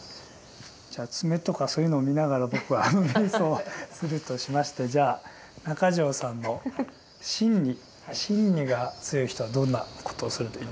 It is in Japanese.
じゃあ爪とかそういうのを見ながら僕は瞑想するとしましてじゃあ中條さんの「瞋恚」が強い人はどんなことをするといいんですか？